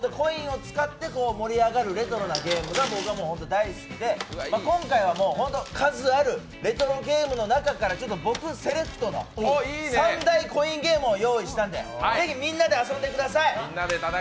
なのでこちら、こんな感じの１０円とかコインを使って盛り上がるレトロなゲームが僕は本当大好きで、今回は数あるレトロゲームの中から僕セレクトの３大コインゲームを用意したので、ぜひみんなで遊んでください！